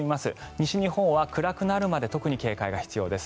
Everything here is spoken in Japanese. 西日本は暗くなるまで特に警戒が必要です。